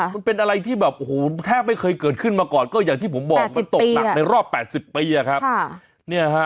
มันเป็นอะไรที่แบบโอ้โหแทบไม่เคยเกิดขึ้นมาก่อนก็อย่างที่ผมบอกมันตกหนักในรอบ๘๐ปีอะครับ